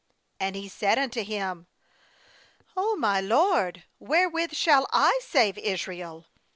15And he said unto him: 'Oh, my lord, wherewith shall I save Israel?